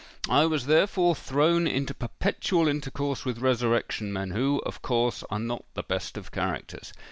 I was therefore thrown into perpetual intercourse with resurrection men, who, of course, are not the best of characters.